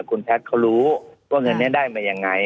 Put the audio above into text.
คุณแพทย์เค้ารู้ว่าเงินได้มาอย่างไร